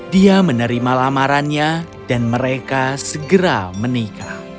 dia menerima lamarannya dan mereka segera menikah